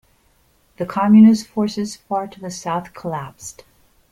The Communist forces far to the south collapsed.